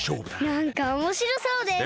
なんかおもしろそうです。